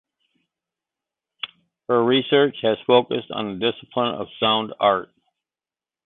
Her research has focused on the discipline of sound art.